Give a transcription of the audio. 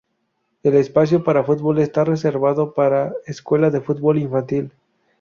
El espacio para fútbol está reservado para escuela de fútbol infantil.